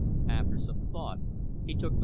After some thought, he took the .